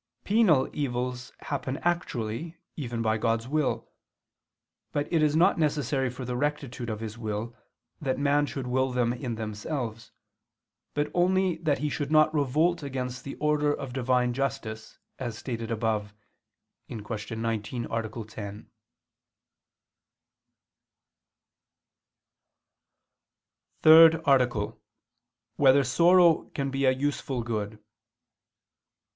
Penal evils happen actually, even by God's will. But it is not necessary for the rectitude of his will, that man should will them in themselves: but only that he should not revolt against the order of Divine justice, as stated above (Q. 19, A. 10). ________________________ THIRD ARTICLE [I II, Q. 39, Art. 3] Whether Sorrow Can Be a Useful Good?